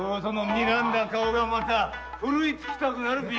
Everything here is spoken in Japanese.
睨んだ顔がまたふるいつきたくなる美形じゃ。